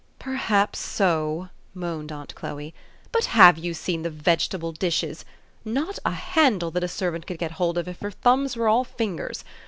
"Perhaps so," moaned aunt Chloe. "But have you seen the vegetable dishes ? Not a handle that a servant could get hold of if her thumbs were all fingers.